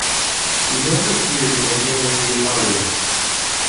He never appeared in a game with the Orioles.